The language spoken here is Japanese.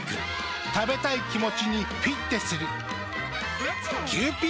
食べたい気持ちにフィッテする。